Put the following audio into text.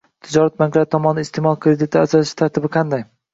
Tijorat banklari tomonidan iste’mol kreditlari ajratish tartibi qanday?